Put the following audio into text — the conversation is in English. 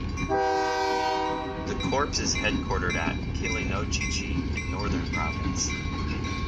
The Corps is headquartered at Kilinochchi in Northern Province.